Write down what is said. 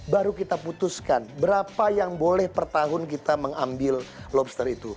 baru kita putuskan berapa yang boleh per tahun kita mengambil lobster itu